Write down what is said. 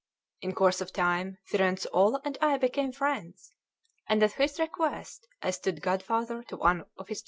In course of time Firenzuola and I became friends, and at his request I stood godfather to one of his children.